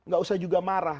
gak usah juga marah